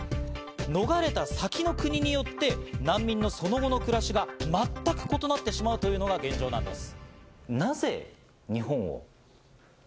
逃れた先の国によって難民のその後の暮らしが全く異なってしまうというのが現状なんです。